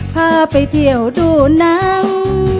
พาไปเที่ยวดูหนัง